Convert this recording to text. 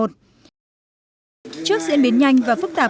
trước diễn biến nhanh và phát triển